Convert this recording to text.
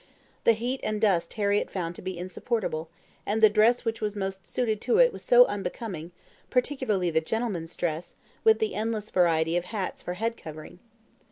The heat and dust Harriett found to be insupportable, and the dress which was most suited to it was so unbecoming, particularly the gentlemen's dress, with the endless variety of hats for head covering.